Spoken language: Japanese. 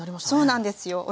そうなんですよ。